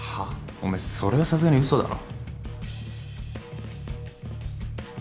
おめえそれはさすがに嘘だろ。